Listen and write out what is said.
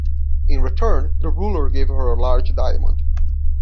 In return, the ruler gave her a large diamond.